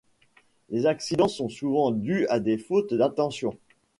Les accidents sont souvent dus à des fautes d'attention.